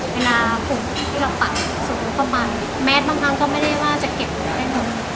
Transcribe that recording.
เวลาภูมิที่เราตัดสูงประมาณแมทบางครั้งก็ไม่ได้ว่าจะเก็บหัวให้คน